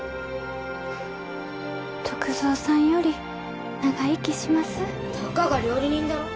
篤蔵さんより長生きしますたかが料理人だろ